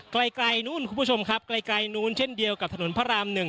ไกลนู้นคุณผู้ชมครับไกลนู้นเช่นเดียวกับถนนพระรามหนึ่ง